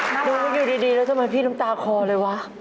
เรามันอยู่นิดแล้วทำไมพี่น้ำตาคอเลยวะ